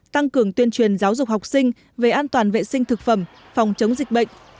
tăng cường tuyên truyền giáo dục học sinh về an toàn vệ sinh thực phẩm phòng chống dịch bệnh